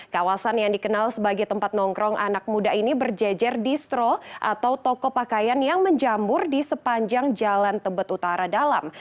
kawasan yang dikenal sebagai tempat nongkrong anak muda ini berjejer distro atau toko pakaian yang menjambur di sepanjang jalan tebet utara dalam